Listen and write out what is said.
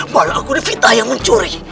padahal aku di fitnah yang mencuri